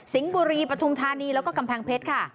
บุรีปฐุมธานีแล้วก็กำแพงเพชรค่ะ